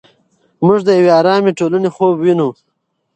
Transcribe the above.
موږ د یوې ارامې ټولنې خوب ویني.